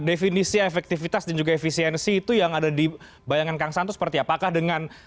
definisi efektivitas dan juga efisiensi itu yang ada di bayangan kang saan itu seperti apakah dengan